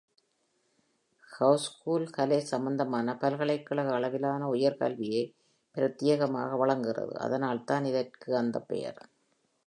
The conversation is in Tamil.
ஹோஜ்ஸ்கூல் கலை சம்பந்தமான பல்கலைக்கழக அளவிலான உயர் கல்வியை பிரத்தியேகமாக வழங்குகிறது, அதனால் தான் அதற்கு இந்த பெயர்.